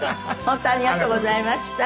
本当ありがとうございました。